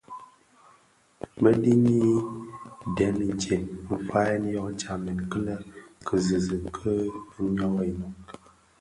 Bë dhini dèm intsem nfayèn yō tsamèn kilè kizizig kè йyō inōk.